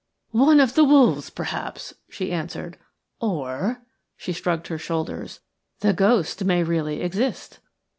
"One of the wolves, perhaps," she answered, "or "– she shrugged her shoulders – "the ghost may really exist."